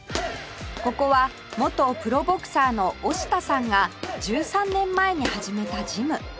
ここは元プロボクサーの尾下さんが１３年前に始めたジム